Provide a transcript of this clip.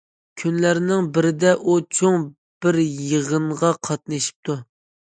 كۈنلەرنىڭ بىرىدە ئۇ چوڭ بىر يىغىنغا قاتنىشىپتۇ.